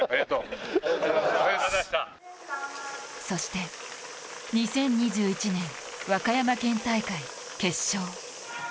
そして、２０２１年、和歌山県大会決勝。